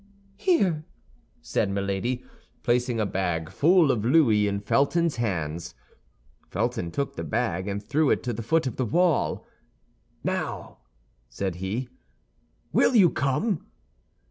"Here!" said Milady, placing a bag full of louis in Felton's hands. Felton took the bag and threw it to the foot of the wall. "Now," said he, "will you come?"